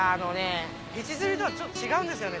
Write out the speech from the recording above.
ヘチ釣りとはちょっと違うんですよね